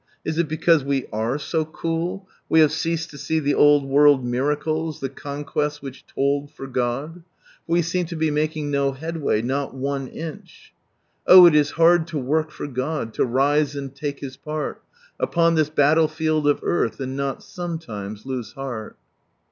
Is it because we are so cool, we have ceased to see the old world miracles, the conquests wiiich to/d for God? For we seem to be making no headway, not one inch — "Oh it is hard to work for God, to rise and take His part Upon this battlefield of earth, and not sometimes lose heart